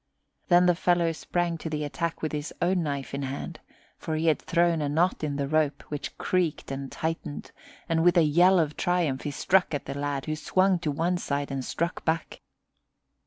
Then the fellow sprang to the attack with his own knife in hand, for he had thrown a knot in the rope, which creaked and tightened; and with a yell of triumph he struck at the lad, who swung to one side and struck back.